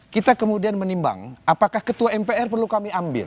kita kemudian menimbang apakah ketua mpr perlu kami ambil